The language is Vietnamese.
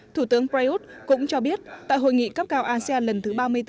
thủ tướng prayuth cũng cho biết tại hội nghị cấp cao asean lần thứ ba mươi bốn